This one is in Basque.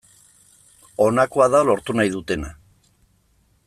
Honakoa da lortu nahi dutena.